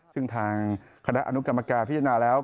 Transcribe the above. ซึ่งทางคณะอนุกรรมการพิจารณาแล้ว